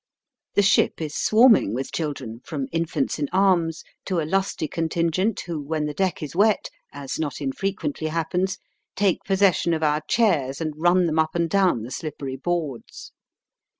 The ship is swarming with children, from infants in arms to a lusty contingent who when the deck is wet, as not infrequently happens, take possession of our chairs and run them up and down the slippery boards.